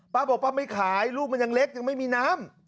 บอกป้าไม่ขายลูกมันยังเล็กยังไม่มีน้ำ